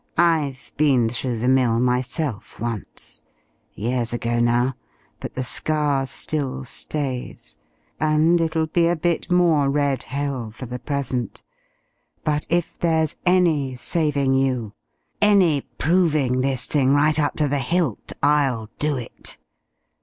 "I've been through the mill myself once years ago now, but the scar still stays and it'll be a bit more red hell for the present. But if there's any saving you, any proving this thing right up to the hilt, I'll do it.